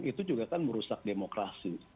itu juga kan merusak demokrasi